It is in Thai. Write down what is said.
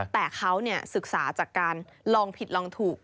แต่เขาศึกษาจากการลองผิดลองถูก